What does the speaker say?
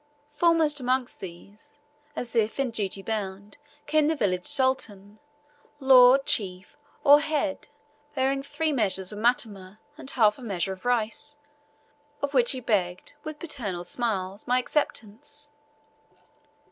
Foremost among these, as if in duty bound, came the village sultan lord, chief, or head bearing three measures of matama and half a measure of rice, of which he begged, with paternal smiles, my acceptance.